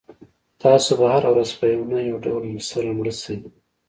تاسو به هره ورځ په یو نه یو ډول سره مړ شئ.